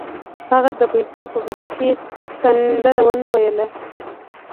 هغه د پیسو په بدل کې سندره ونه ویله